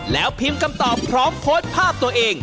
แล้วพิมพ์คำตอบพร้อมโพสต์ภาพตัวเอง